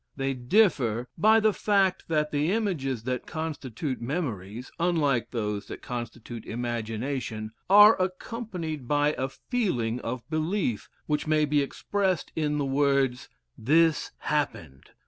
They differ by the fact that the images that constitute memories, unlike those that constitute imagination, are accompanied by a feeling of belief which may be expressed in the words "this happened."